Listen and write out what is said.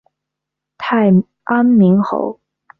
太安明侯